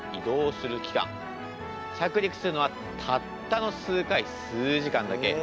着陸するのはたったの数回数時間だけ。